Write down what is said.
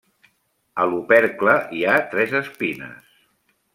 A l'opercle hi ha tres espines.